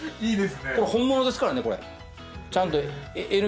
これ本物ですからね。